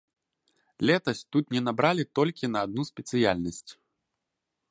Летась тут не набралі толькі на адну спецыяльнасць.